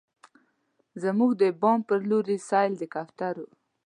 زموږ د بام په لورې، سیل د کوترو